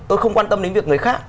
tôi không quan tâm đến việc người khác